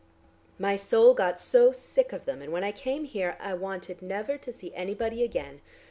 My soul got so sick of them, and when I came here I wanted never to see anybody again.